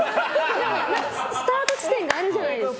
スタート地点があるじゃないですか。